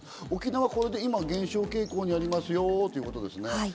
沖縄はこれで今、減少傾向にありますよってことですね。